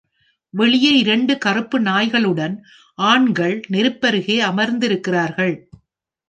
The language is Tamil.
வெளியே இரண்டு கருப்பு நாய்களுடன் ஆண்கள் நெருப்பருகே அமர்ந்திருக்கிறார்கள்.